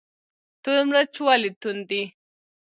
تور مرچ ولې توند دي؟